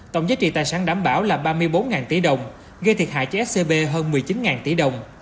tổng giá trị tài sản đảm bảo là ba mươi bốn tỷ đồng gây thiệt hại cho scb hơn một mươi chín tỷ đồng